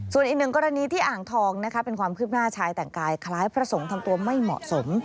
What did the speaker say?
ส่วนอีกนึงกรณีที่อ่างทองเป็นความคลิปหน้าชายแต่งกายคล้ายผสมทำตัวไม่เหมาะสม